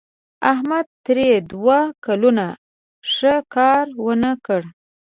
احمد تېر دوه کلونه ښه کار ونه کړ.